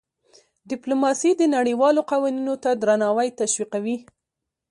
ډيپلوماسي د نړیوالو قوانینو ته درناوی تشویقوي.